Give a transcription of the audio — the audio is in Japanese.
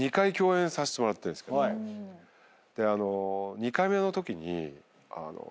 ２回目のときに。